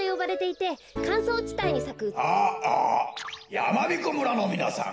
やまびこ村のみなさん